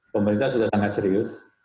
pemerintah sudah sangat serius